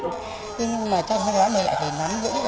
nhưng mà trong hôm đó mình lại phải nắm vững